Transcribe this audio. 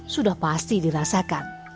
sudah pasti dirasakan